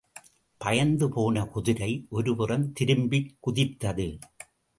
பயந்து போன குதிரை, ஒருபுறம் திரும்பிக் குதித்தது.